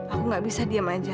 aku nggak bisa diam aja